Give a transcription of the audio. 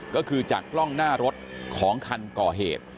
ก็คือจากกล้องหน้ารถของคันก่อเหตุ